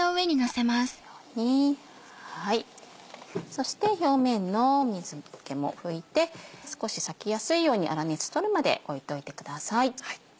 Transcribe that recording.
そして表面の水気も拭いて少し裂きやすいように粗熱取るまで置いといてください。